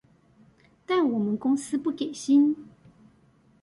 但我們公司不給薪